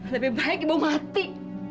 lebih baik ibu mati